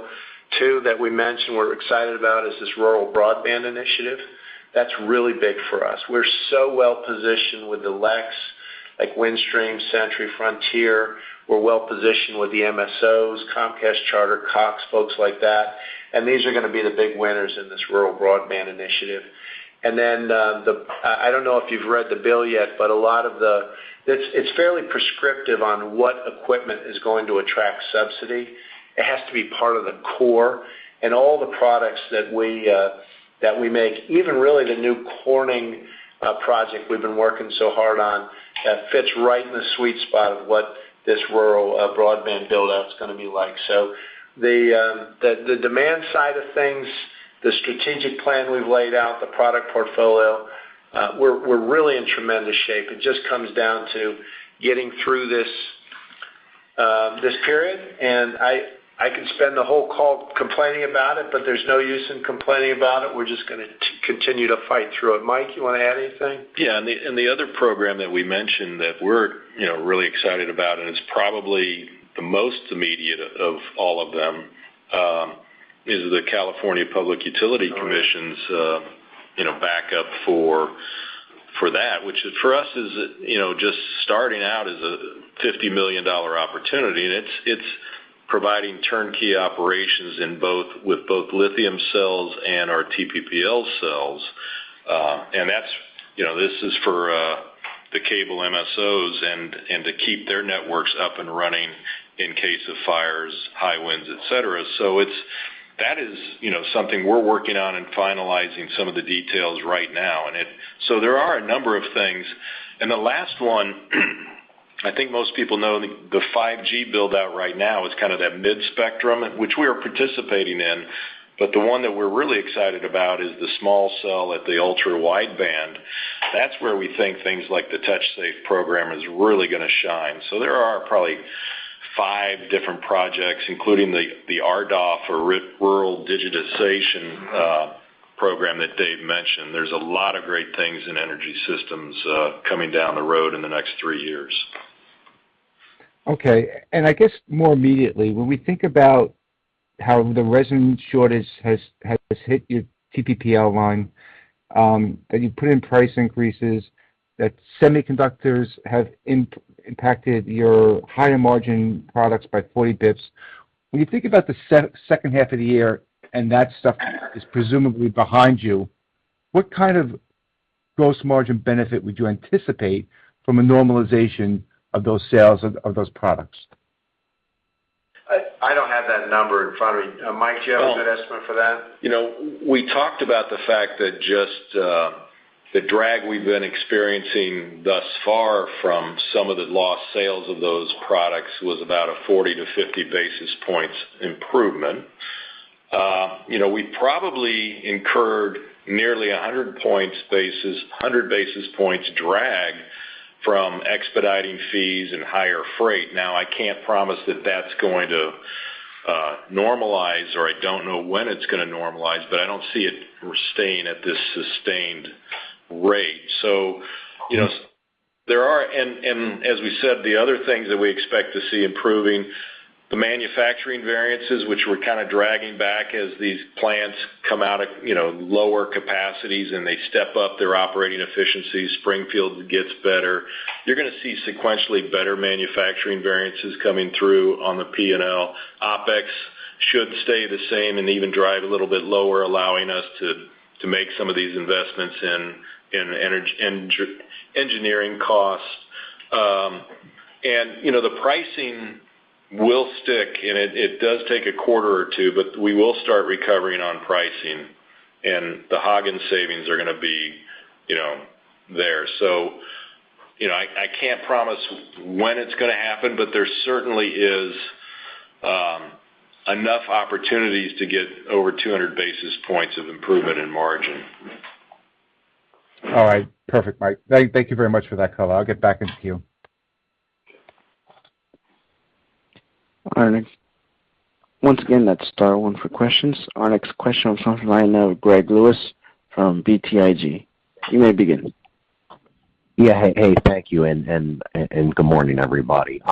too, that we mentioned we're excited about is this rural broadband initiative. That's really big for us. We're so well-positioned with the LECs, like Windstream, Century, Frontier. We're well-positioned with the MSOs, Comcast, Charter, Cox, folks like that. These are going to be the big winners in this rural broadband initiative. Then, I don't know if you've read the bill yet, but it's fairly prescriptive on what equipment is going to attract subsidy. It has to be part of the core, and all the products that we make, even really the new Corning project we've been working so hard on, that fits right in the sweet spot of what this rural broadband build-out's going to be like. The demand side of things, the strategic plan we've laid out, the product portfolio, we're really in tremendous shape. It just comes down to getting through this period, and I can spend the whole call complaining about it, but there's no use in complaining about it. We're just going to continue to fight through it. Mike, you want to add anything? Yeah. The other program that we mentioned that we're really excited about, and it's probably the most immediate of all of them, is the California Public Utilities Commission's- ...backup for that, which for us is just starting out as a $50 million opportunity, and it's providing turnkey operations with both lithium cells and our TPPL cells. This is for the cable MSOs, and to keep their networks up and running in case of fires, high winds, et cetera. That is something we're working on and finalizing some of the details right now. There are a number of things. The last one, I think most people know the 5G build-out right now is kind of that mid-band, which we are participating in. The one that we're really excited about is the small cell at the Ultra Wideband. That's where we think things like the TouchSafe program is really going to shine. There are probably five different projects, including the RDOF, or Rural Digital Opportunity Fund that Dave mentioned. There's a lot of great things in Energy Systems coming down the road in the next three years. Okay. I guess more immediately, when we think about how the resin shortage has hit your TPPL line, that you put in price increases, that semiconductors have impacted your higher-margin products by 40 basis points. When you think about the second half of the year, and that stuff is presumably behind you, what kind of gross margin benefit would you anticipate from a normalization of those sales of those products? I don't have that number in front of me. Mike, do you have a good estimate for that? We talked about the fact that the drag we've been experiencing thus far from some of the lost sales of those products was about a 40 basis points-50 basis points improvement. We probably incurred nearly 100 basis points drag from expediting fees and higher freight. I can't promise that that's going to normalize, or I don't know when it's going to normalize, but I don't see it staying at this sustained rate. As we said, the other things that we expect to see improving, the manufacturing variances, which were kind of dragging back as these plants come out at lower capacities and they step up their operating efficiency, Springfield gets better. You're going to see sequentially better manufacturing variances coming through on the P&L. OpEx should stay the same and even drive a little bit lower, allowing us to make some of these investments in engineering costs. The pricing will stick, and it does take a quarter or two, but we will start recovering on pricing. The Hagen savings are going to be there. I can't promise when it's going to happen, but there certainly is enough opportunities to get over 200 basis points of improvement in margin. All right. Perfect, Mike. Thank you very much for that color. I'll get back into queue. All right. Once again, that is star one for questions. Our next question comes from the line of Greg Lewis from BTIG. You may begin. Yeah. Hey, thank you, and good morning, everybody.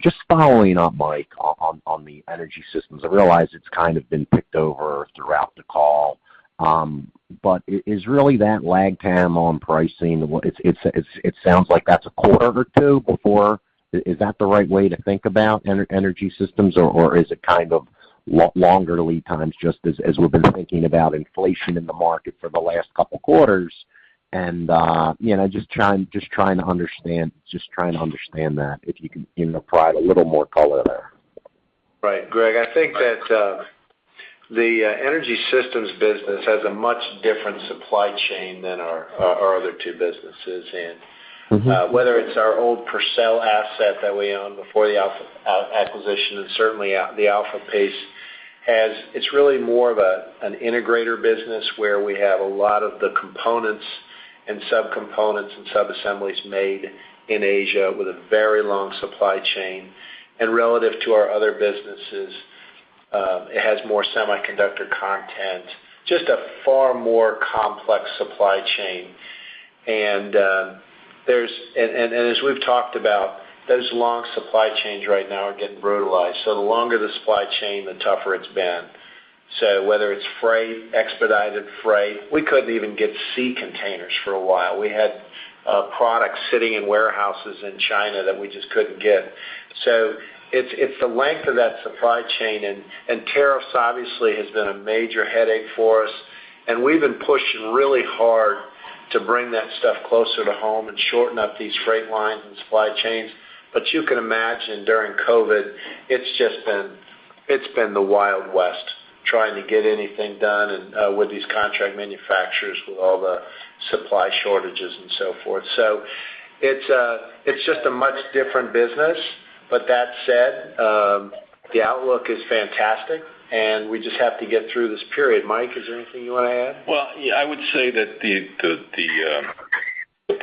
Just following up, Mike, on the Energy Systems. I realize it's kind of been picked over throughout the call. Is really that lag time on pricing, it sounds like that's a quarter or two before. Is that the right way to think about Energy Systems, or is it kind of longer lead times, just as we've been thinking about inflation in the market for the last couple of quarters? Just trying to understand that, if you can provide a little more color there. Right. Greg, I think that the Energy Systems business has a much different supply chain than our other two businesses. Whether it's our old Purcell asset that we owned before the acquisition, and certainly the Alpha, it's really more of an integrator business where we have a lot of the components and sub-components and sub-assemblies made in Asia with a very long supply chain. Relative to our other businesses, it has more semiconductor content, just a far more complex supply chain. As we've talked about, those long supply chains right now are getting brutalized. The longer the supply chain, the tougher it's been. Whether it's freight, expedited freight, we couldn't even get sea containers for a while. We had products sitting in warehouses in China that we just couldn't get. It's the length of that supply chain, and tariffs obviously has been a major headache for us, and we've been pushing really hard to bring that stuff closer to home and shorten up these freight lines and supply chains. You can imagine during COVID, it's been the Wild West, trying to get anything done and with these contract manufacturers, with all the supply shortages and so forth. It's just a much different business. That said, the outlook is fantastic, and we just have to get through this period. Mike, is there anything you want to add? Well, I would say that the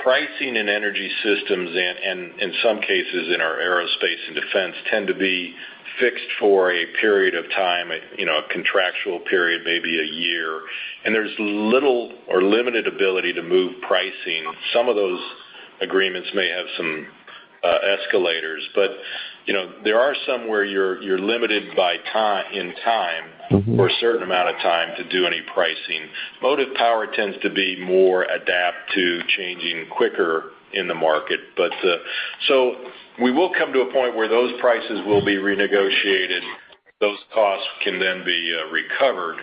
pricing in Energy Systems, and in some cases in our Aerospace and Defense, tend to be fixed for a period of time, a contractual period, maybe a year. There's little or limited ability to move pricing. Some of those agreements may have some escalators, but there are some where you're limited in time. A certain amount of time to do any pricing. Motive power tends to be more apt to changing quicker in the market. We will come to a point where those prices will be renegotiated. Those costs can be recovered.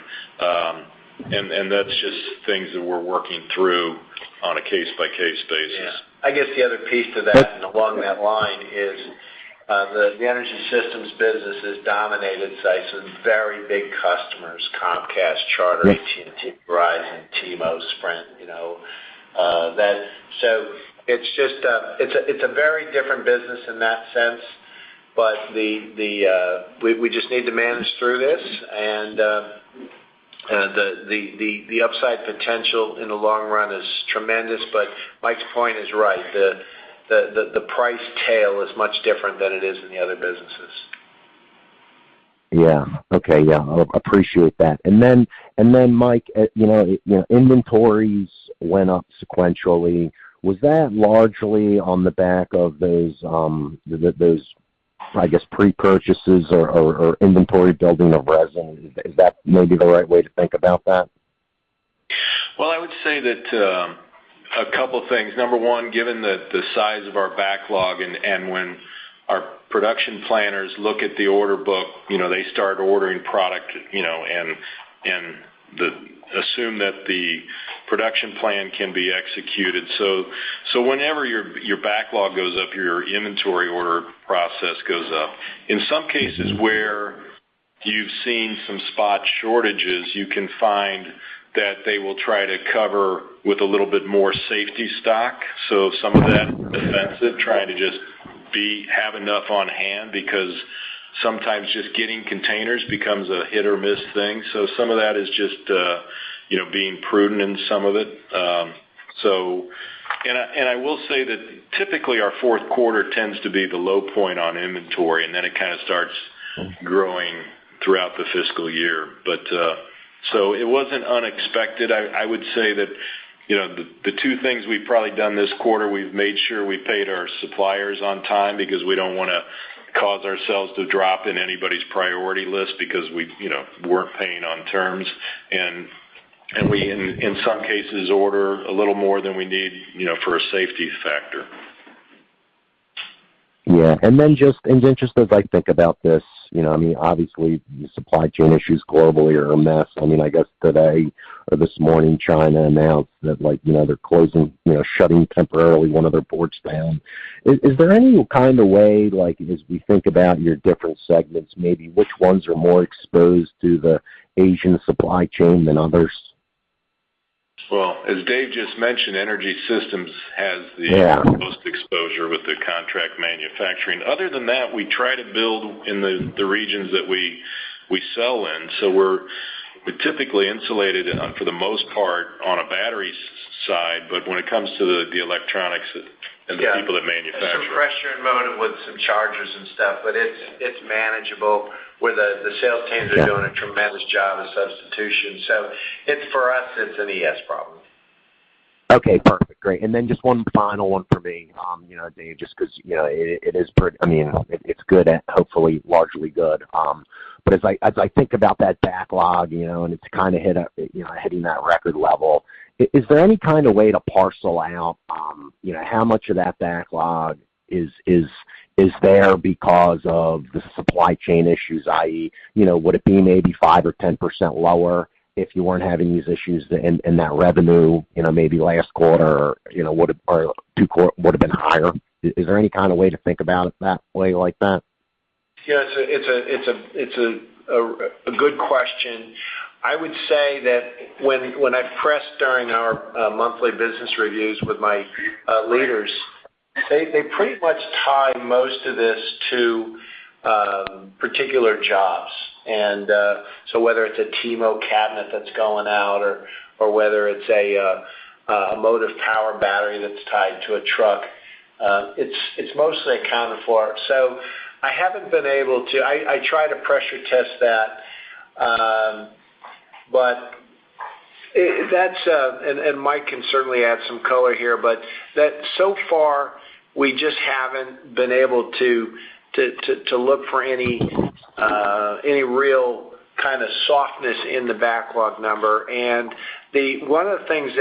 That's just things that we're working through on a case-by-case basis. I guess the other piece to that and along that line is, the Energy Systems business is dominated by some very big customers: Comcast, Charter, AT&T, Verizon, T-Mobile, Sprint. It's a very different business in that sense. We just need to manage through this. The upside potential in the long run is tremendous. Mike's point is right. The price tail is much different than it is in the other businesses. Yeah. Okay. Yeah. I appreciate that. Mike, inventories went up sequentially. Was that largely on the back of those, I guess pre-purchases or inventory building of resin? Is that maybe the right way to think about that? I would say that a couple of things. Number one, given the size of our backlog and when our production planners look at the order book, they start ordering product, and assume that the production plan can be executed. Whenever your backlog goes up, your inventory order process goes up. In some cases where you've seen some spot shortages. You can find that they will try to cover with a little bit more safety stock. Some of that defensive, trying to just have enough on hand because sometimes just getting containers becomes a hit-or-miss thing. Some of that is just being prudent in some of it. I will say that typically our fourth quarter tends to be the low point on inventory, and then it kind of starts growing throughout the fiscal year. It wasn't unexpected. I would say that the two things we've probably done this quarter, we've made sure we paid our suppliers on time because we don't want to cause ourselves to drop in anybody's priority list because we weren't paying on terms. We, in some cases, order a little more than we need for a safety factor. Yeah. Just as I think about this, obviously the supply chain issues globally are a mess. I guess today or this morning, China announced that they're shutting temporarily one of their ports down. Is there any kind of way, as we think about your different segments, maybe which ones are more exposed to the Asian supply chain than others? Well, as Dave just mentioned, Energy Systems has- Yeah ...most exposure with the contract manufacturing. We try to build in the regions that we sell in. We're typically insulated for the most part on a battery side, but when it comes to the electronics and the people that manufacture. Some pressure in motive with some chargers and stuff, but it's manageable where the sales teams are doing a tremendous job of substitution. For us, it's an ES problem. Okay, perfect. Great. Just one final one for me, Dave, just because it's good and hopefully largely good. As I think about that backlog, and it's kind of hitting that record level, is there any kind of way to parcel out how much of that backlog is there because of the supply chain issues, i.e., would it be maybe 5% or 10% lower if you weren't having these issues, and that revenue maybe last quarter or two quarter would've been higher? Is there any kind of way to think about it that way like that? Yeah, it's a good question. I would say that when I press during our monthly business reviews with my leaders, they pretty much tie most of this to particular jobs. Whether it's a T-Mo cabinet that's going out or whether it's a motive power battery that's tied to a truck, it's mostly accounted for. I try to pressure test that. Mike can certainly add some color here, so far we just haven't been able to look for any real kind of softness in the backlog number. One of the things,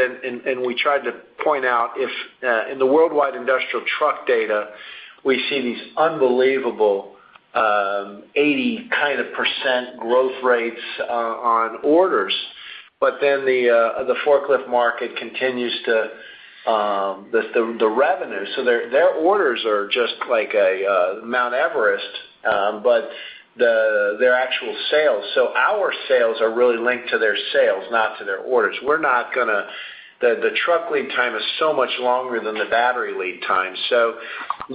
and we tried to point out, in the worldwide industrial truck data, we see these unbelievable 80% growth rates on orders. The forklift market continues to The revenue. Their orders are just like Mount Everest, but their actual sales. Our sales are really linked to their sales, not to their orders. The truck lead time is so much longer than the battery lead time.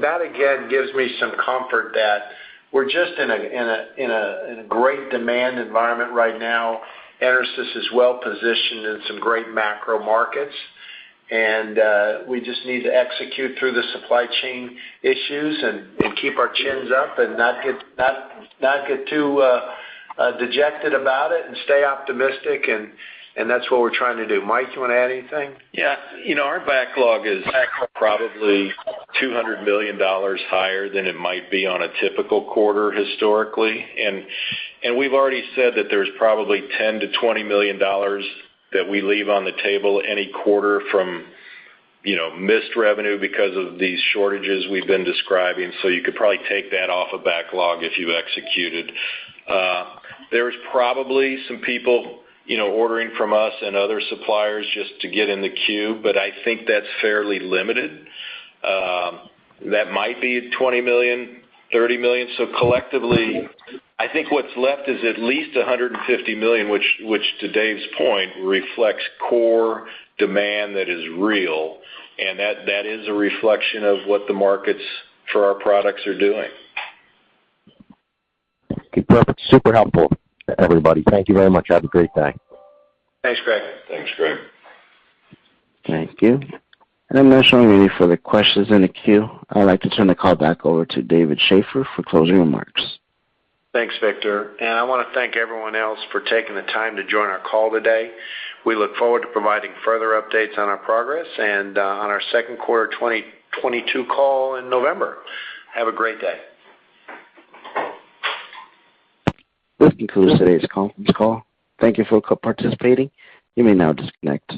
That, again, gives me some comfort that we're just in a great demand environment right now. EnerSys is well-positioned in some great macro markets, and we just need to execute through the supply chain issues and keep our chins up and not get too dejected about it and stay optimistic, and that's what we're trying to do. Mike, do you want to add anything? Yeah. Our backlog is probably $200 million higher than it might be on a typical quarter historically. We've already said that there's probably $10 million-$20 million that we leave on the table any quarter from missed revenue because of these shortages we've been describing. You could probably take that off of backlog if you executed. There's probably some people ordering from us and other suppliers just to get in the queue. I think that's fairly limited. That might be $20 million, $30 million. Collectively, I think what's left is at least $150 million, which to Dave's point, reflects core demand that is real, and that is a reflection of what the markets for our products are doing. Okay, perfect. Super helpful, everybody. Thank you very much. Have a great day. Thanks, Greg. Thanks, Greg. Thank you. I'm not showing any further questions in the queue. I'd like to turn the call back over to David Shaffer for closing remarks. Thanks, Victor. I want to thank everyone else for taking the time to join our call today. We look forward to providing further updates on our progress and on our second quarter 2022 call in November. Have a great day. This concludes today's conference call. Thank Thank you for participating. You may now disconnect.